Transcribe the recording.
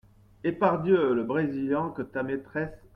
Eh pardieu ! le Brésilien que ta maîtresse…